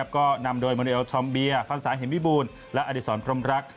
ก็นำโดยมอนิเอลทอมเบียร์ฟันสายเห็นวิบูรณ์และอดิสรพรหมรัก